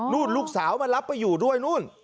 ลูกสาวมันรับไปอยู่ด้วย